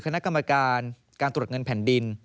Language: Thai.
คณะกรรมการการตรวจเงินแผ่นดิน